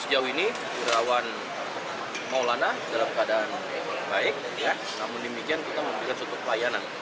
sejauh ini irawan maulana dalam keadaan baik namun demikian kita memberikan suatu pelayanan